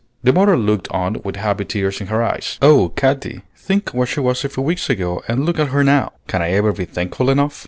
The mother looked on with happy tears in her eyes. "Oh, Katy, think what she was a few weeks ago and look at her now! Can I ever be thankful enough?"